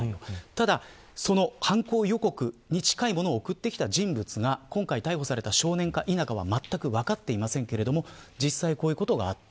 ただ犯行予告に近い内容を送ってきた人物が今回、逮捕された少年か否かはまったく分かっていませんが実際こういうことがあった。